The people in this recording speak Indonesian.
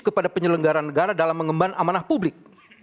kepada penyelenggaran negara dalam mengembang amanah publik